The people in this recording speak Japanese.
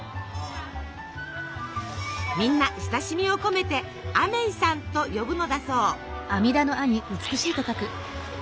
みんな親しみを込めてアメイさんと呼ぶのだそう。